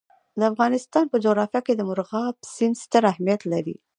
د افغانستان په جغرافیه کې مورغاب سیند ستر اهمیت لري.